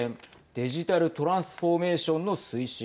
デジタル・トランスフォーメーションの推進。